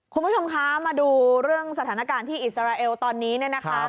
คุณผู้ชมคะมาดูเรื่องสถานการณ์ที่อิสราเอลตอนนี้เนี่ยนะคะ